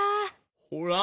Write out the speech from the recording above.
ほら。